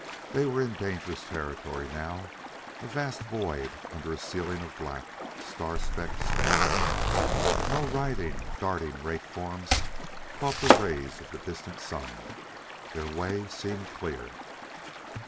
They were in dangerous territory now a vast void under a ceiling of black, star specked space. No writhing, darting wraith forms caught the rays of the distant sun. Their way seemed clear.